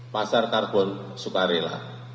pasar karbon sukarela